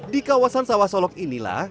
di kawasan sawah solok inilah